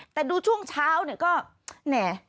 แต่ดูช่วงเช้าก็แหน่